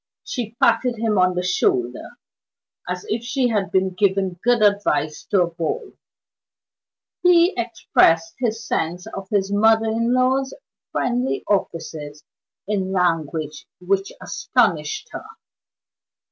She patted him on the shoulder, as if she had been giving good advice to a boy. He expressed his sense of his mother in law's friendly offices in language which astonished her.